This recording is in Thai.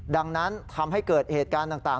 ดังนั้นทำให้เกิดเหตุการณ์ต่าง